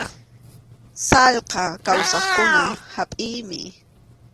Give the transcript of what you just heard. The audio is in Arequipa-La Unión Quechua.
Sallqa kawsaqkuna hapʼiymi.